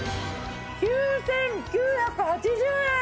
９９８０円。